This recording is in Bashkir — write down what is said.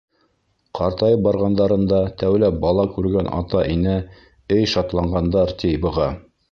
Ҡартайып барғандарында тәүләп бала күргән ата-инә эй шатланғандар, ти, быға!